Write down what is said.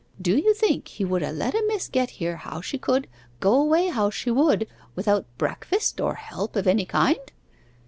Do you think he would ha' let a miss get here how she could, go away how she would, without breakfast or help of any kind?